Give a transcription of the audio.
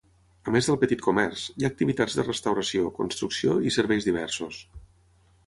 A més del petit comerç, hi ha activitats de restauració, construcció i serveis diversos.